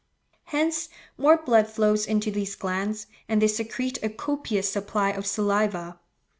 Hence more blood flows into these glands, and they secrete a copious supply of saliva.